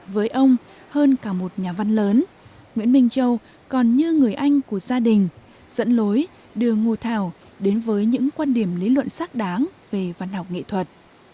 với ông hơn cả một nhà văn lớn nguyễn minh châu còn như người anh của gia đình dẫn lối đưa ngô thảo đến với những quan điểm lý luận xác đáng về văn học nghệ thuật